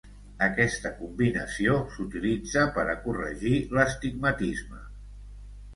Aquesta combinació s'utilitza per a corregir l'astigmatisme.